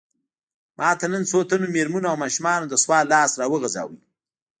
ماته نن څو تنو مېرمنو او ماشومانو د سوال لاس راوغځاوه.